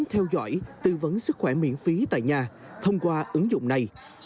theo dõi tư vấn sức khỏe miễn phí tại nhà thông qua ứng dụng này